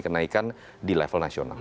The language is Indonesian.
kenaikan di level nasional